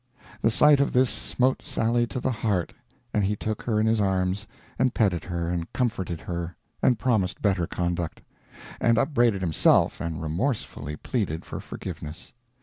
The sight of this smote Sally to the heart and he took her in his arms and petted her and comforted her and promised better conduct, and upbraided himself and remorsefully pleaded for forgiveness.